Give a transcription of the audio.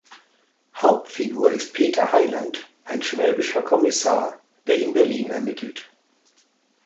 Hauptfigur ist Peter Heiland, ein schwäbischer Kommissar, der in Berlin ermittelt.